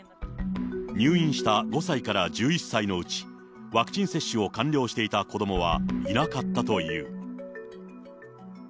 入院した５歳から１１歳のうち、ワクチン接種を完了していた子どもはいなかったという。